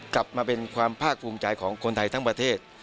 กลับมาเป็นความภาคภูมิใจของคนไทยทั้งประเทศ